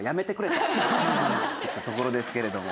ところですけれども。